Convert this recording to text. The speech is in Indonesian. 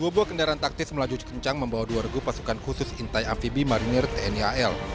dua buah kendaraan taktis melaju kencang membawa dua regu pasukan khusus intai amfibi marinir tni al